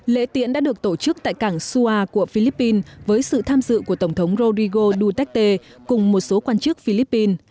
lễ tiễn đã được tổ chức tại cảng sua của philippines với sự tham dự của tổng thống rodrigo duterte cùng một số quan chức philippines